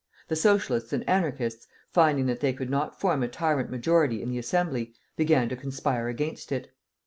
The Socialists and Anarchists, finding that they could not form a tyrant majority in the Assembly, began to conspire against it.